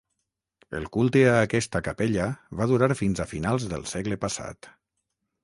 El culte a aquesta capella va durar fins a finals del segle passat.